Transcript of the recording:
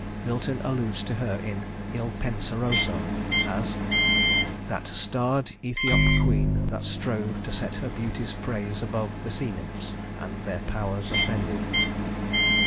Milton alludes to her in "Il Penseroso" as: "that starred Ethiop queen that strove To set her beauty's praise above The Sea Nymphs, and their powers offended."